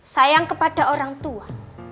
sayang kepada orang tua